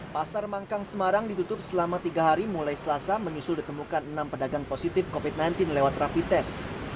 pasar mangkang semarang ditutup selama tiga hari mulai selasa menyusul ditemukan enam pedagang positif covid sembilan belas lewat rapi tes